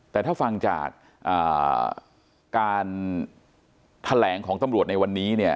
แต่ถ้าฟังจากการแถลงของตำรวจในวันนี้เนี่ย